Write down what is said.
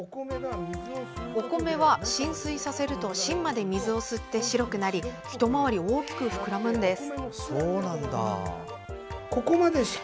お米は浸水させると芯まで水を吸って白くなり一回り大きく膨らむんです。